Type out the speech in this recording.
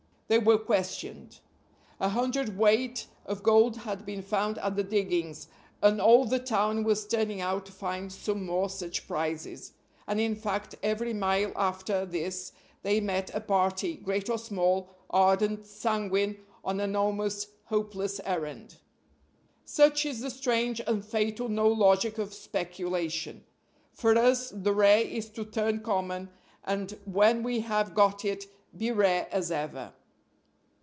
They were questioned. A hundred weight of gold had been found at the diggings, and all the town was turning out to find some more such prizes; and, in fact, every mile after this they met a party, great or small, ardent, sanguine, on an almost hopeless errand. Such is the strange and fatal no logic of speculation. For us the rare is to turn common, and, when we have got it, be rare as ever.